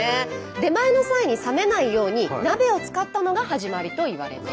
出前の際に冷めないように鍋を使ったのが始まりといわれています。